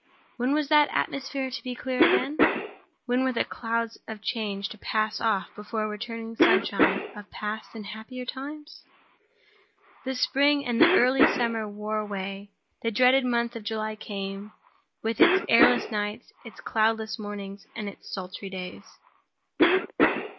When was that atmosphere to be clear again? When were the clouds of change to pass off before the returning sunshine of past and happier times? The spring and the early summer wore away. The dreaded month of July came, with its airless nights, its cloudless mornings, and its sultry days.